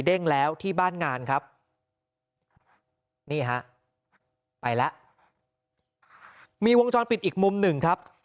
เด้งแล้วที่บ้านงานครับนี่ฮะไปแล้วมีวงจรปิดอีกมุม๑ครับ